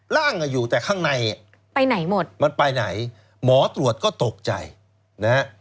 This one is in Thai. ร่างอ่ะอยู่แต่ข้างในไปไหนหมดมันไปไหนหมอตรวจก็ตกใจนะฮะ